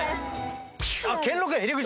兼六園入り口！